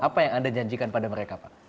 apa yang anda janjikan pada mereka pak